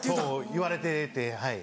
言われててはい。